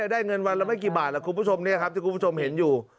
ได้เงินวันละไม่กี่บาทล่ะคุณผู้ชมเนี่ยครับที่คุณผู้ชมเห็นอยู่